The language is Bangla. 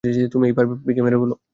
তুমি এই পাপীকে মেরে ফেল!